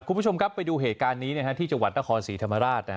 คุณผู้ชมครับไปดูเหตุการณ์นี้ที่จังหวัดนครศรีธรรมราช